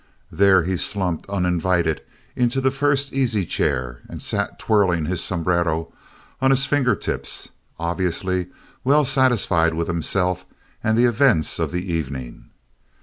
There he slumped uninvited into the first easy chair and sat twirling his sombrero on his finger tips, obviously well satisfied with himself and the events of the evening.